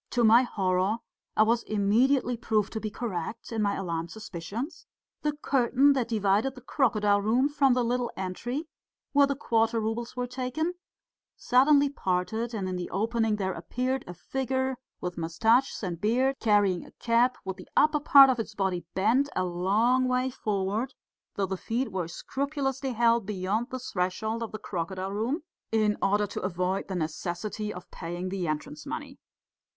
To my horror I was immediately proved to be correct in my alarmed suspicions: the curtain that divided the crocodile room from the little entry where the quarter roubles were taken suddenly parted, and in the opening there appeared a figure with moustaches and beard, carrying a cap, with the upper part of its body bent a long way forward, though the feet were scrupulously held beyond the threshold of the crocodile room in order to avoid the necessity of paying the entrance money.